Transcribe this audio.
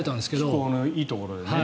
気候のいいところでね。